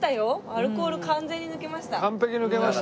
アルコール完全に抜けました。